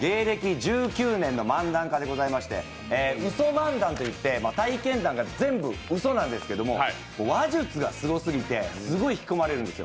１９年の漫談家でございましてウソ漫談といって体験談が全部うそなんですけれども、話術がすごすぎて、すごい引き込まれるんですよ。